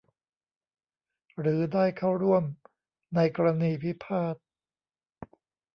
หรือได้เข้าร่วมในกรณีพิพาท